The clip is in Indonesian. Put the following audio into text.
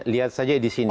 lihat saja di sini